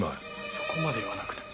そこまで言わなくても。